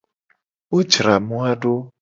Wo jra moa do.